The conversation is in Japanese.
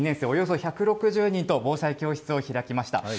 およそ１６０人と防災教室を開きました。